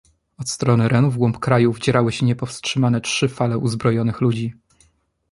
"Od strony Renu wgłąb kraju wdzierały się niepowstrzymane trzy fale uzbrojonych ludzi."